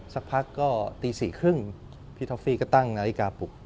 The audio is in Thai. สักพักก็ตี๔๓๐พี่ท็อฟฟี่ก็ตั้งนาฬิกาปลุก